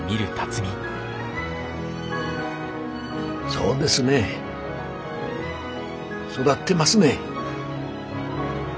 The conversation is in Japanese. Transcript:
そうですね育ってますね。